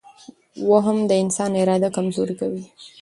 وهم د انسان اراده کمزورې کوي.